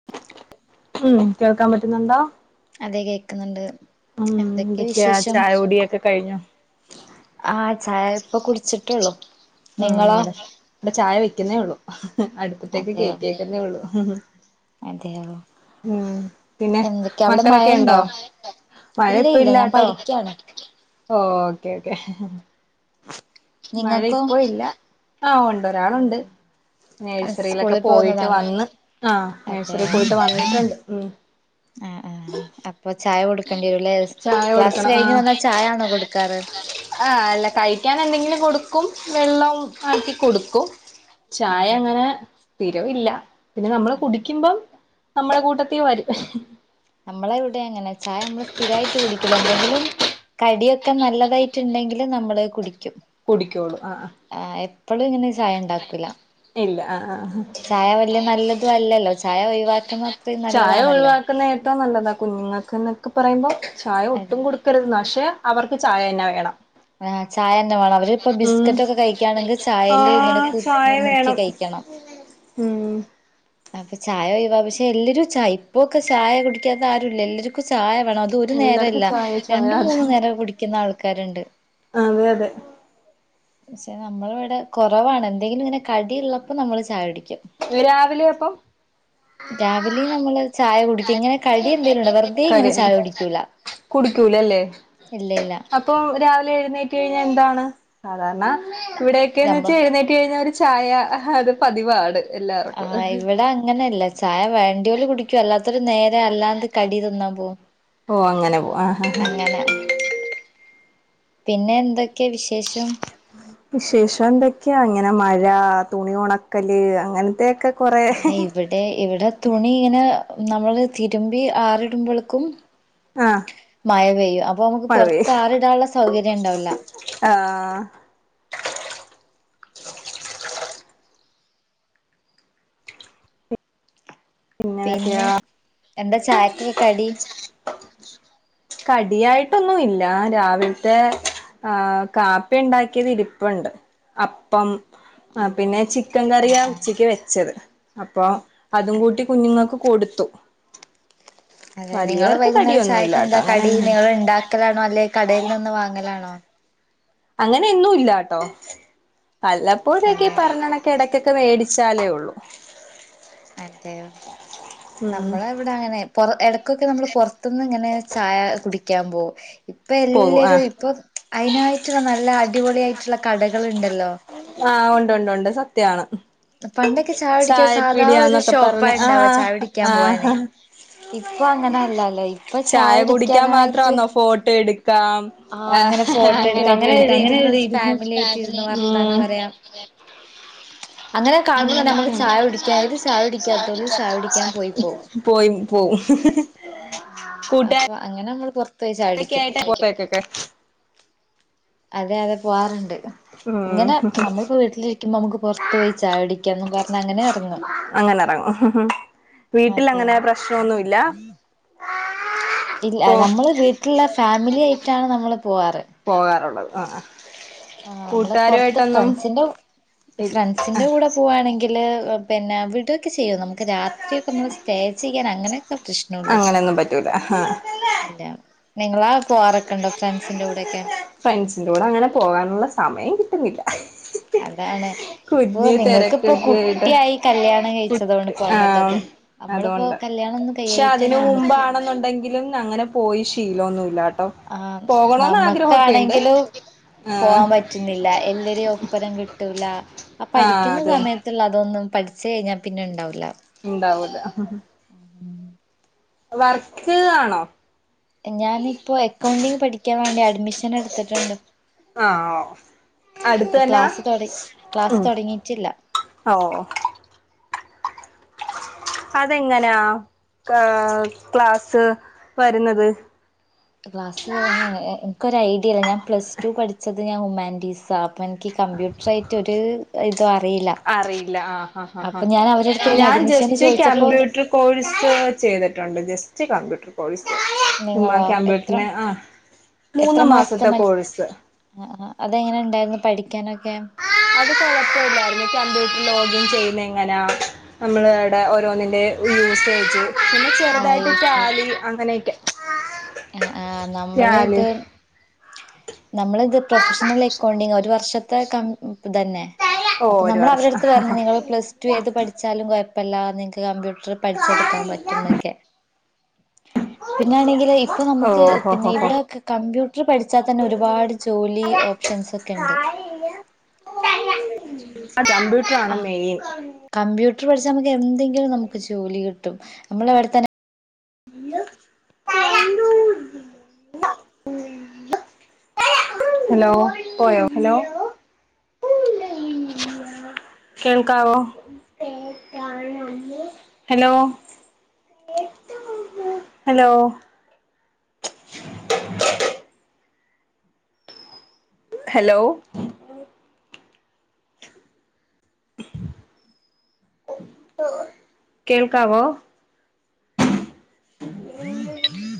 ഉ [unintelligible] ഉം കേൾക്കാ പറ്റുന്നുണ്ടോ? അതെ കേക്കുന്നുണ്ട് ഉം എന്തൊക്കെ എന്തൊക്കെയാ വിശേഷം ചായ കുടിയൊക്കെ കഴിഞ്ഞോ ആഹ ചായപ്പൊ കുടിച്ചിട്ടോള്ളൂ. ഉുംങ്ങനെ ഇവിടെ ചായ വയ്ക്കുന്നേ ഉള്ളൂ അടുപ്പത്തേക്ക് കേറ്റിക്കുന്നേ ഉള്ളൂ അതെവോ ഉം പിന്നെ മഴ മക്കളൊക്കെ ഇണ്ടോ? ഉണ്ടോ മഴ ഇല്ല ഇപ്പ ഇല്ല ഞാൻ ഇല്ലട്ടോ പഠിക്കാണ് ഓ ഓക്കെ ഓക്കേ. മഴ നിങ്ങൾക്കോ ഇപ്പോ ഇല്ല ആഹ് ഉണ്ട് ഒരാളുണ്ട്. നേഴ്സറിയിലൊക്കെ സ്കൂളിൽ പോയിട്ട് പോകുന്നതാണോ വന്ന്. ആഹ നേഴ്സറി പോയിട്ട് വന്നിട്ടുണ്ട് ഉം ഉം ഉം ആഹ ആ അപ്പൊ ചായ കൊടുക്കേണ്ടി വരൂല്ലേ ചായ ക്ലാസ്സ് കൊടുക്കണം കഴിഞ്ഞ് ആഹ് വന്നാ ചായ ആണോ കൊടുക്കാറ്? ആ അല്ല കഴിക്കാൻ എന്തെങ്കിലും കൊടുക്കും വെള്ളം ആക്കി കൊടുക്കും. ചായ അതെ അങ്ങനെ സ്ഥിരം ഇല്ല പിന്നെ നമ്മള് കുടിക്കുമ്പം നമ്മളെ കൂട്ടത്തി വരും. നമ്മളെ ഇവിടെ അങ്ങനെ ചായ നമ്മള് സ്ഥിരായിട്ട് കുടിക്കില്ല. എന്തെങ്കിലും കടിയൊക്കെ നല്ലതായിട്ടുണ്ടെങ്കില് നമ്മള് കുടിക്കും. കുടിക്കോള്ളൂ ആഹ ആഹ ആ എപ്പോളും ഇങ്ങനെ ചായ ഉണ്ടാക്കൂല ഇല്ല ആ ആ ചായ വല്യ നല്ലത് നല്ല അല്ലല്ലോ ചായ ഒഴിവാക്കുന്ന അത്രയും ചായ നല്ലതാണല്ലോ ഒഴിവാക്കുന്ന ഏറ്റവും നല്ലതാ കുഞ്ഞുങ്ങൾക്ക് എന്നൊക്കെ പറയുമ്പോ ചായ അതെ ഒട്ടും കൊടു ക്കരുത് പക്ഷെ അവർക്ക് ചായ തന്നെ വേണം ആഹ് ചായ തന്നെ വേണം അവരിപ്പൊ ഉം ബിസ്ക്കറ്റ് ഒക്കെ കഴിക്കാണെങ്കില് ആ ചായില് ഇങ്ങനെ ചായ മുക്കി വേണം കഴിക്കണം. ഉം അപ്പൊ ചായ ഒയിവാ പക്ഷെ എല്ലരും ചായ ഇപ്പൊക്കെ ചായ കുടിക്കാത്ത ആരുല്ലല്ലോ ല്ലര്ക്കും ചായ വേണം അ ഇതൊ ഒരു എല്ലാർക്കും നേരല്ല. ചായ ചായ രണ്ട് മൂന്നു അതെ നേരം കുടിക്കുന്ന ആൾക്കാരുണ്ട്. അതെ അതെ പക്ഷെ നമ്മള ഇവിടെ കുറവാണ്. എന്തെങ്കിലും ഇങ്ങനെ കടിയ ഉള്ളപ്പോ നമ്മള് ചായ കുടിക്കും. ന്ന് രാവിലെ അപ്പം രാവിലെയും നമ്മള് ചായ കുടിക്കും ഇങ്ങനെ കടി എന്തേലുണ്ടോ വെറുതെ ഇങ്ങനെ ചായ കുടിക്കൂല ല്ലല്ലേ ഇല്ല ഇല്ല ഇപ്പൊ രാവിലെ എഴുന്നേറ്റ് കഴിഞ്ഞാൽ ന്താണ് സാധാരണ ഇവിടെയക്ക്ന്ന് വെച്ച നമ്മള് എഴുന്നേറ്റി ന്നേറ്റ് കഴിഞ്ഞാ ഒരു ചായ അത് പതിവാണ്. എല്ലാവർക്കും ആഹ ഇവിടെ അങ്ങനെല്ല ചായ വേണ്ടില് കുടിക്കും. അല്ലാത്തൊരു നേരെ അല്ലാണ്ട് കടി തിന്നാൻ പോകും. ഓ അങ്ങനെ പോ ആഹ് ആഹ് ആഹ് അങ്ങനെ [inaudible] പിന്നെ എന്തൊക്കെ വിശേഷം? വിശേഷം എന്തൊക്കെയാ അങ്ങനെ മഴ തുണി ഉണക്കല് അങ്ങനത്തെയൊക്കെ കൊറെ ആ് ഇവിടെ ഇവിടെ തുണി ഇങ്ങനെ നമ്മള് തിരുമ്പി ആറിടുബോളു ക്കും- ആഹ് മഴ പെയ്യും അപ്പൊ നമുക്ക് പുറത്ത് ആറിടാനുള്ള സൗകര്യം ഉണ്ടാവൂല്ല. ആഹാ പിന്നെ, എന്ത ചായക് കടി. കടിയായിട്ടൊന്നുല്ല. രാവിലത്തെ ആ കാപ്പി ഇണ്ടാക്കിയത് ഇരിപ്പുണ്ട് അപ്പം പിന്നെ ചിക്കൻ ആഹ് കറിയാ ആഹ് ഉച്ചക്ക് വെച്ചത് അപ്പൊ അതും കൂട്ടി കുഞ്ഞുങ്ങക്ക് കൊടുത്തു. അതെ നിങ്ങള് വലിയവർക്ക് വൈകുന്നേരം ചായക്ക കടിയൊന്നുമില്ലാട്ടോ എന്താ അങ്ങനെ കടി നിങ്ങൾ ഉണ്ടാക്കലാണോ അല്ലെ കടയിൽ നിന്ന് വാങ്ങലാണോ? അങ്ങനെന്നുംല്ലാട്ടോ, വല്ലപ്പോഴൊക്കെ അതെ പറഞ്ഞണ- എടക്കൊക്കെ വേടിച്ചാലേ ഒള്ളൂ. അതെയോ, ഉം നമ്മളെ. ഇവിടെ അങ്ങനെ, പൊ ഇടക്കൊക്കെ നമ്മള് പൊറ്ത് ന്ന് ങ്ങനെ ചായ കുടിക്കാ പോവും. ഇപ്പൊ പോകും ആ എല്ലരും ഇപ്പൊ അയിനായിട്ടുള്ള നല്ല അടിപൊളിയായിട്ടുള്ള കടകൾ ണ്ടല്ലോ? ആഹ്, ഉണ്ട്, ഉണ്ട്, ഉണ്ട്. സത്യാണ്. പണ്ടൊക്കെ ചായുടിക്കാൻ സാധാ ഒരു ചായപ്പീടിയാന്നൊക്കെ പറഞ്ഞ് ആ ഷോപ്പായിണ്ടാവ ചായ ടിക്കാൻ പോവാന്. ആ ഇപ്പൊ അങ്ങനെല്ലല്ലോ ഇപ്പൊ ചായ കുടിക്കാൻ ചാടിക്കാന ആയിട്ട്. മാത്രാന്നോ ഫോട്ടോ എടുക്കാം ആഹ അങ്ങനെ ഫോട്ടോ എടുത് അങ്ങനെ ഇരുന്ന് ഫാമിലി ആയിട്ട് ഇന്ന് വർത്താനം പറയാ. [unintelligible] അങ്ങനെ തന്നെ കാണുമ്പോ, ചായ നമുക്ക് കുടിക്കാൻ ചായു ഏത് ചായ ടിക്ക കുടിക്കാത്തോലും ചായുടിക. ചായ കുടിക്കാൻ പോയി പോവും [unintelligible] പോയിം പോവും. [inaudible] [inaudible] ഫുട്ടാൻ. അപ്പൊ അങ്ങനെ നമ്മൾ പൊർത്. തകെ ആയിട്ട്. പുറത്തേക്കക്കെ. അതെ അതെ പോവാാറുണ്ട് ഉം ഇങ്ങനെ നമ്മളിപ്പോ വീട്ടില്. ന്ന്‌ നമുക്ക് പൊർത്ത് പോയി ചായ കു ടിക്ക എന്ന് പറഞ്ഞ അങ്ങനെ ർങ്ങും. അങ്ങന ഇറങ്ങും. [inaudible] വീട്ടിൽ അതെ അങ്ങനെ പ്രശ്നൊന്നു ഇല്ല. ഇല്ല. നമ്മള് വീട്ടിൽള്ള ഫാമിലി ആയിട്ടാണ് നമ്മള് പൂവാറ്. പോകാറുള്ളത് ആആ. ആഹ്, നമ്മള് പൊർത്ത് ഫ്രണ്ട്സിന്റ, ഫ്രണ്ട്സിന്റെ കൂടെ പോകുകവാണെങ്കിൽ പിന്നെ അവിട് ക്കെ ചെയ്യോ നമുക്ക് രാത്രിയൊക്കെ നമ്മള് സ്റ്റേ ചെയ്യാൻ അങ്ങനെയൊക്കെ പ്രശ്നള്ളു. അങ്ങനെയൊന്നും പറ്റൂല ആ ഇല്ല. നിങ്ങളാ പോവാറൊക്കെണ്ടോ, ഫ്രണ്ട്സിന്റെ കൂടെയൊക്കെ? ഫ്രണ്ട്സിറ കൂടെ അങ്ങനെ പോകാനുള്ള സമയം കിട്ടുന്നില്ല. അതാണ് ഇപ്പൊ കുഞ്ഞ് നിങ്ങൾക്കിപ്പോ തിരക്കൊക്കെയായിട്ട് കുട്ടിയായി കല്യാണം കുട്ടി കഴിച്ചതോണ്ട് പോവാൻ പറ്റാത്ത. ആഹ് അതുകൊണ്ട്. ക്ഷെ അതിന് ഞമ്മക്ക് മുമ്പാണെന്നുണ്ടെങ്കിലും അങ്ങനെ പോയി ശീലന്നുല്ലാട്ടോ? ആഹ്, നമ്മക്കാണെങ്കിലും. ആഹ് പോവാൻ പറ്റുന്നില്ല. എല്ലരിം ഒപ്പരം കിട്ടൂല ആ ആഹ് പഠിക്കുന്ന അതെ സമയത്ത്. ള്ള തൊന്നും പഠിച്ചു കഴിഞ്ഞാ പിന്നെ ണ്ടാവുല്ല. ണ്ടാവുത. [inaudible] വർക്ക് ആണോ. ഞാാനിപ്പോ അക്കൗണ്ടിങ് പഠിക്കാൻ വേണ്ടി അഡ്മിഷൻ എടുത്തിട്ടുണ്ട്. ആഹ്, അഹ് അടുത് അപ്പൊ തന്ന, ക്ലാസ് തൊട ക്ലാസ് ഉം. തൊടങ്ങിയിട്ടില്ല ഔ. അതെങ്ങനാ, ക ക്ലാസ്സ് വരുന്നത്? ക്ലാസ്സിൽ വരുന്ന എനിക്കൊരു ഐഡിയല്ല ഞാൻ പ്ലസ് ടു പഠിച്ചത് ഞാൻ ഹുമാൻറ്റീസ അപ്പൊ എനിക്ക്. കമ്പ്യൂട്ടർ ആയിട്ട് ഒരു ഇതും അറിയില്ല അറിയില്ല ആഹ് ആഹ് ആഹ് അപ്പൊ ഞൻ അവരെ അടുത് ആഹ് ഞാൻ ജസ്റ്റ് ക്യമ്പ്യൂട്ടർ കോഴ്സ് ചെയ്തിട്ടൊണ്ട്. Just computer. കോഴ്സ് നിങ്ങളോ എത്ര ക്മ്പ്യൂട്ടറിന് ആ മൂന്ന് മാസത്തെ കോഴ്സ്. ആ ആ അതെങ്ങനെ ഉണ്ടായിരുന്നു പഠിക്കാനൊക്കെ അത് കുഴപ്പല്ലായിരുന്നു കമ്പ്യൂട്ടർ ലോഗിൻ ചെയ്യുന്ന എങ്ങനാ നമ്മള് ആടെ ഓരോന്നിന്റെ യൂസേജ് ആ ചെറുതായിട്ട് യൂസ് [unintelligible] അങ്ങനെയൊക്കെ. ആഹ്, ആഹ്, നമ്മള് ടാലി ത് നമ്മളിത്. പ്രൊഫഷണൽ അക്കൗണ്ടിങ് ഒരു വർഷത്തെ കമ് തന്നെ. ഓ അപ്പൊ ഒരു നമ്മൾ അവരുടെ വർഷം അടുത്ത് പറഞ്ഞു നിങ്ങള് പ്ലസ് പ്പ ഏത് പഠിച്ചാലും കുഴപ്പല്ല. നിങ്ങക്ക് കമ്പ്യൂട്ടർ പഠിച്ചെടുക്കാൻ പറ്റും ന്നൊക്കെ. ഇപ്പൊ ഓ നമുക്ക് ഓ പിന്നെ ഹ ഹ. ഇവിടെക്കെ കമ്പ്യൂട്ടർ പഠിച്ചാൽ തന്നെ ഒരുപാട് ജോലി ഓപ്ഷൻസ് ഒക്കെ ഉണ്ട്. അ കമ്പ്യൂട്ടറ ആണ് മെയിൻ. കമ്പ്യൂട്ർ പഠിച്ചാൽ നമുക്ക് എന്തെങ്കിലും നമുക്ക് ജോലി കിട്ടും. നമ്മള വിടെത്തന്നെ. [inaudible] ഹലോ പോയോ ഹലോ കേൾക്കാവോ ഹലോ അം [unintelligible] ഹലോ [inaudible] ഹലോ കേൾക്കാവോ? ഉ [unintelligible]